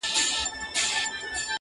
چي و شمي د آدب ته پنګان سي.